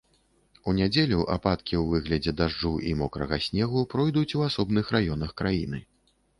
У нядзелю ападкі ў выглядзе дажджу і мокрага снегу пройдуць у асобных раёнах краіны.